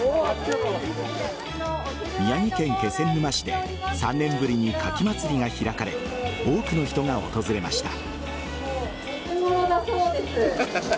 宮城県気仙沼市で３年ぶりにカキまつりが開かれ多くの人が訪れました。